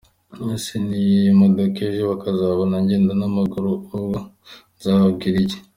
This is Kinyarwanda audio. Ese ntiye iyo modoka ejo bakazabona ngenda n’amaguru ubwo nazababwira iki?”.